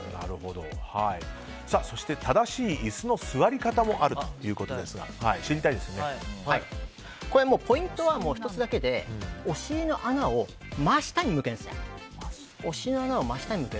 正しい椅子の座り方もあるということですがポイントは１つだけでお尻の穴を真下に向けるんです。